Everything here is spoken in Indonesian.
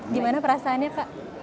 di mana perasaannya pak